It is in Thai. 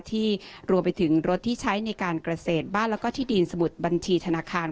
ที่รวมไปถึงรถที่ใช้ในการเกษตรบ้านแล้วก็ที่ดินสมุดบัญชีธนาคาร